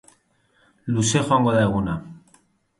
Luze joango da eguna.